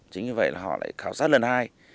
chính vì vậy là họ lại khảo sát lần hai